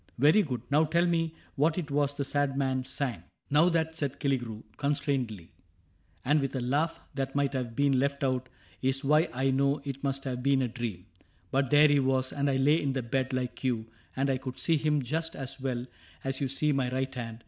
" Very good. Now tell me what it was the sad man sang.^ » CAPTAIN CRAIG 75 " Now that/' said Killigrew, constrainedly, And with a laugh that might have been left out, ^^ Is why I know it must have been a dream. But there he was, and I lay in the bed Like you ; and I could see him just as well As you see my right hand.